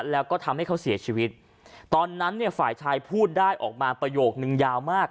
แล้วก็ทำให้เขาเสียชีวิตตอนนั้นเนี่ยฝ่ายชายพูดได้ออกมาประโยคนึงยาวมาก